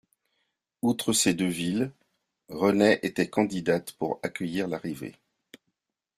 Outre ces deux villes, Renaix était candidate pour accueillir l'arrivée.